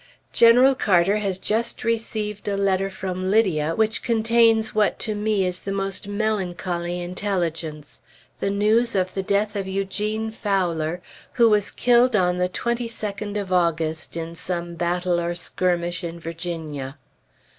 General Carter has just received a letter from Lydia, which contains what to me is the most melancholy intelligence the news of the death of Eugene Fowler, who was killed on the 22d of August, in some battle or skirmish in Virginia.